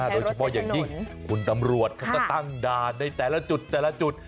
โดยเฉพาะอย่างยิ่งคุณตำรวจเขาจะตั้งด่านในแต่ละจุด